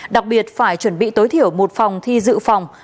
đặc biệt phải chuẩn bị tối thiểu một phòng thi dự phòng